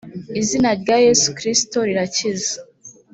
izina rya yesu kristo rirakiza